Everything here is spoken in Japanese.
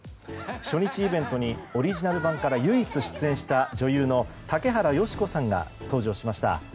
初日イベントにオリジナル版から唯一出演した女優の竹原芳子さんが登場しました。